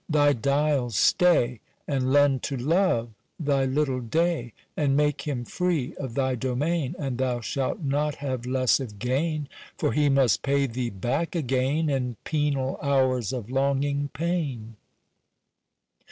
Thy dial stay, And lend to Love thy little day, And make him free of thy domain; And thou shalt not have less of gain, For he must pay thee back again In penal hours of longing pain.